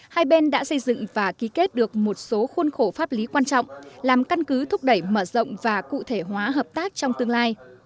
hai bên đã xây dựng và ký kết được một số khuôn khổ pháp lý quan trọng làm căn cứ thúc đẩy mở rộng và cụ thể hóa hợp tác trong tương lai